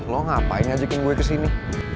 lo ngapain ajakin gue kesini